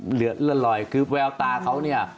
เหลือเลือดลอยคือแววตาเขาเนี่ย